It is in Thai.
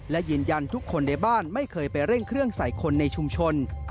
และยืนยันทุกคนในบ้านไม่เคยไปเร่งเครื่องใส่คนในชุมชน